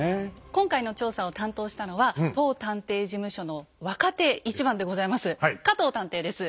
今回の調査を担当したのは当探偵事務所の若手一番でございます加藤探偵です。